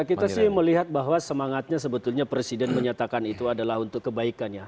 kita sih melihat bahwa semangatnya sebetulnya presiden menyatakan itu adalah untuk kebaikannya